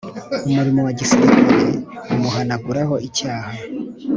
umurimo wa gisirikare umuhanaguraho icyaha